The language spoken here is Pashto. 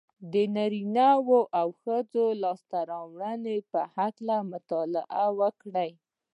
د نارينهوو او ښځو د لاسته راوړنو په هکله مطالعه وکړئ.